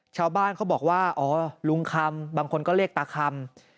ชาวบ้านเขาบอกว่าอ๋อลุงคำบางคนก็เรียกตาคำ